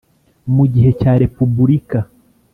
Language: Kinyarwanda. mu gihe cya repubulika.